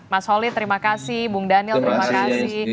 mas holid terima kasih bung daniel terima kasih